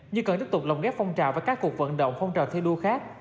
như cần tiếp tục lồng ghép phong trào và các cuộc vận động phong trào thi đua khác